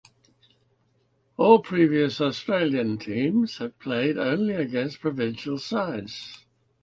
All previous Australian teams had played only against provincial sides.